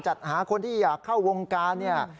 จัดหาคนที่อยากเข้าวงการเนี่ย